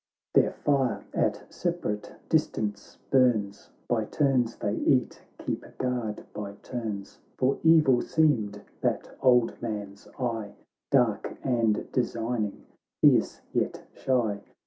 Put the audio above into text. — xxv Their fire at separate distance burns, By turns they eat, keep guard by turns ; For evil seemed that old man's eye, Dark and designing, fierce yet shy.